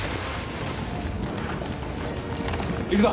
行くぞ。